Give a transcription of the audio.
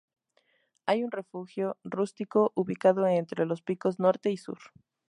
Hay un refugio rústico ubicado entre los picos norte y sur.